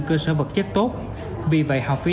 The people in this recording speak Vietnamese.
cơ sở vật chất tốt vì vậy học phí